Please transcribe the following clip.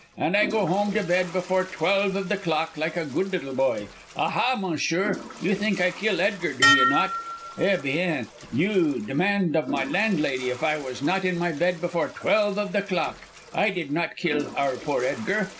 "And I go home to bed before twelve of the clock, like a good little boy. Aha, monsieur, you think I kill Edgar, do you not? Eh bien! You demand of my landlady if I was not in my bed before twelve of the clock. I did not kill our poor Edgar.